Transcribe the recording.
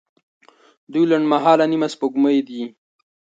دوی لنډمهاله نیمه سپوږمۍ دي.